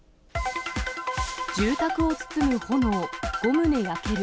住宅を包む炎、５棟焼ける。